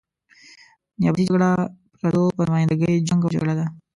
نیابتي جګړه پردو په نماینده ګي جنګ او جګړه ده.